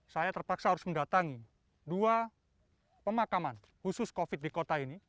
saya terpaksa harus mendatangi dua pemakaman khusus covid di kota ini